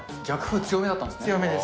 逆風強めだったんですね。